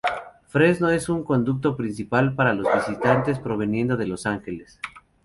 Fresno es un conducto principal para los visitantes proviniendo de Los Ángeles.